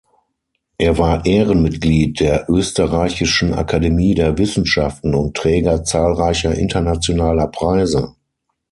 Er war Ehrenmitglied der österreichischen Akademie der Wissenschaften und Träger zahlreicher internationaler Preise.